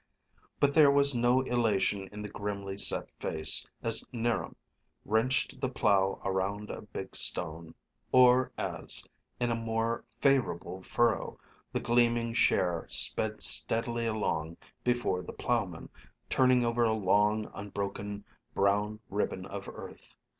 But there was no elation in the grimly set face as 'Niram wrenched the plow around a big stone, or as, in a more favorable furrow, the gleaming share sped steadily along before the plowman, turning over a long, unbroken brown ribbon of earth.